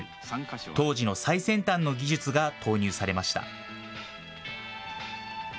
当時の最先端の技術が投入されました。